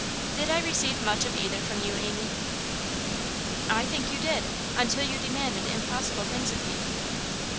Did I receive much of either from you, Amy?' 'I think you did until you demanded impossible things of me.